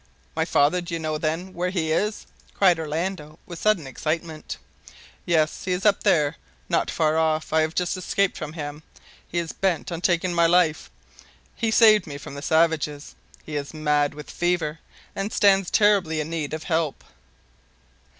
"My father! Do you know, then, where he is?" cried Orlando, with sudden excitement. "Yes. He is up there not far off. I have just escaped from him. He is bent on taking my life. He saved me from the savages. He is mad with fever and stands terribly in need of help."